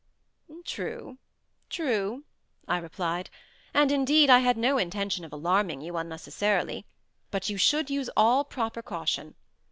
"True—true," I replied; "and, indeed, I had no intention of alarming you unnecessarily—but you should use all proper caution.